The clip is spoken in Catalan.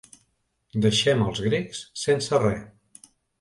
Deixem els grecs sense re.